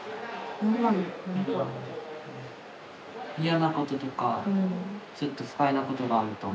嫌なこととかちょっと不快なことがあると。